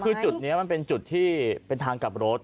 คือจุดนี้มันเป็นจุดที่เป็นทางกลับรถ